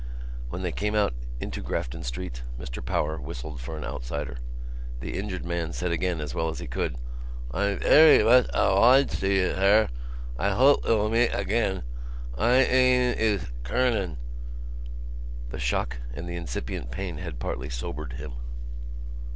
When they came out into Grafton Street, Mr Power whistled for an outsider. The injured man said again as well as he could: "I' 'ery 'uch o'liged to you, sir. I hope we'll 'eet again. 'y na'e is Kernan." The shock and the incipient pain had partly sobered him.